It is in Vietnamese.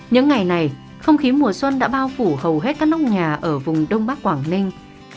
những ngày này không khí mùa xuân đã bao phủ hầu hết các nóc nhà ở vùng đông bắc quảng ninh